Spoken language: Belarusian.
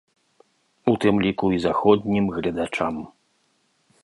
У тым ліку і заходнім гледачам.